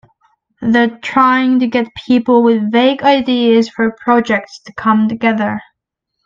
They're trying to get people with vague ideas for projects to come together.